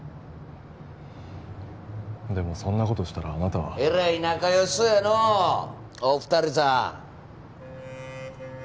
でもそんなことしたらあなたはえらい仲良さそやのうお二人さん